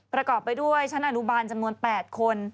ประกอบไปด้วยชั้นอนุบาลจำนวน๘คน